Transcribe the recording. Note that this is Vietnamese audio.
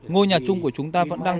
ngôi nhà chung của chúng ta vẫn đang